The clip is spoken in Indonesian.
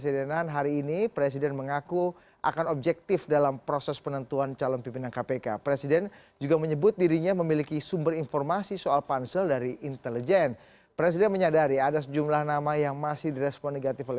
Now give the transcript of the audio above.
diskursus di sana yang mungkin